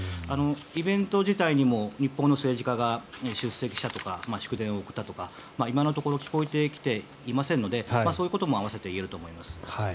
イベント自体にも日本の政治家が出席したとか祝電を送ったとか、今のところ聞こえてきていませんのでそういうことも併せて言えると思います。